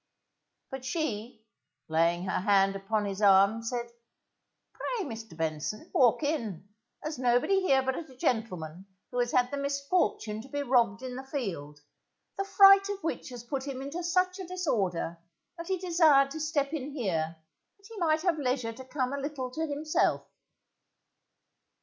But she, laying her hand upon his arm, said, _Pray, Mr. Benson, walk in; here's nobody but a gentleman who has had the misfortune to be robbed in the field, the fright of which has put him into such a disorder that he desired to step in here that he might have leisure to come a little to himself.